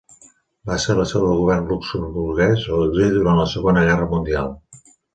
Va ser la seu del Govern luxemburguès a l'exili durant la Segona Guerra Mundial.